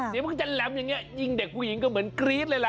เดี๋ยวมันก็จะแหลมอย่างนี้ยิงเด็กผู้หญิงก็เหมือนกรี๊ดเลยล่ะ